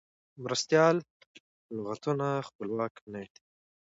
مرستیال لغتونه خپلواک نه دي.